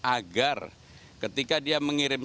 agar ketika dia mengirim